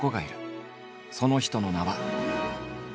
その人の名は。